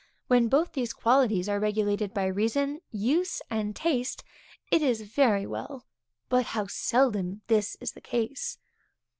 When both these qualities are regulated by reason, use, and taste, it is very well; but how seldom is this the case!